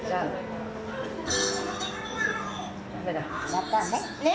またね。